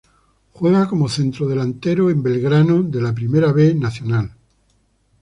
Juega como centrodelantero en Belgrano de la Primera B Nacional.